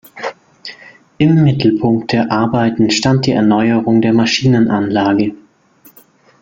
Im Mittelpunkt der Arbeiten stand die Erneuerung der Maschinenanlage.